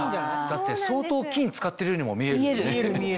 だって相当金使ってるようにも見えるよね。